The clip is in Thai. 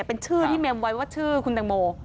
เป็นชื่อที่เมมไว้ว่าชื่อคุณแตงโม